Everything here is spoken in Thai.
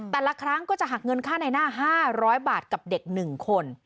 แต่ละครั้งก็จะหักเงินค่าในหน้า๕๐๐บาทกับเด็ก๑คน